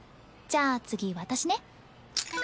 じゃあ次私ね。